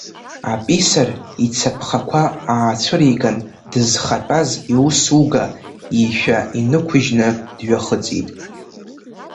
Аписар ицаԥхақәа аацәыриган, дызхатәаз иусуга ишәа инықәыжьны дҩахыҵит.